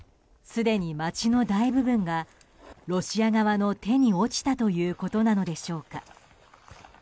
すでに、街の大部分がロシア側の手に落ちたということなのでしょうか。